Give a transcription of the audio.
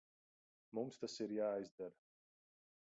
Mums tas ir jāizdara.